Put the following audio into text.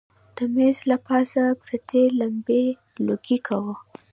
د مېز له پاسه پرتې لمبې لوګی کاوه.